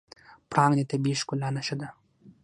پړانګ د طبیعي ښکلا نښه ده.